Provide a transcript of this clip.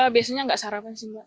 biasanya nggak sarapan sih